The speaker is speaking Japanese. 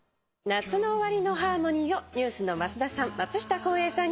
『夏の終りのハーモニー』をＮＥＷＳの増田さん